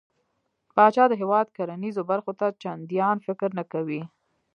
پاچا د هيواد کرنېزو برخو ته چنديان فکر نه کوي .